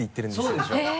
そうでしょ？